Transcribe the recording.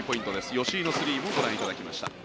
吉井のスリーもご覧いただきました。